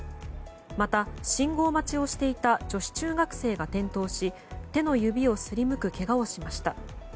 また、信号待ちをしていた女子中学生が転倒し手の指をすりむくけがをしました。